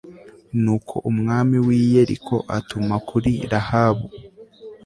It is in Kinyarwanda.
nuko umwami w'i yeriko atuma kuri rahabu